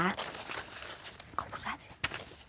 ขอบคุณพระอาจารย์